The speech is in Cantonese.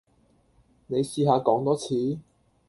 你試下講多次?